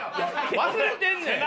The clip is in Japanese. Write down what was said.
忘れてんねん！